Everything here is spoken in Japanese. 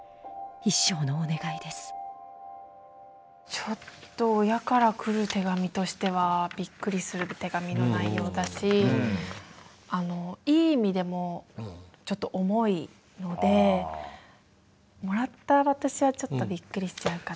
ちょっと親から来る手紙としてはびっくりする手紙の内容だしあのいい意味でもちょっと重いのでもらった私はちょっとびっくりしちゃうかな。